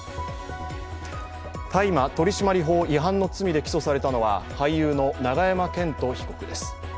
大麻取締法違反の罪で起訴されたのは俳優の永山絢斗被告です。